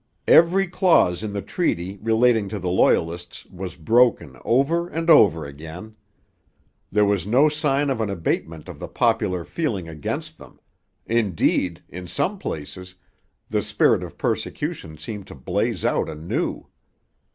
Every clause in the treaty relating to the Loyalists was broken over and over again. There was no sign of an abatement of the popular feeling against them; indeed, in some places, the spirit of persecution seemed to blaze out anew.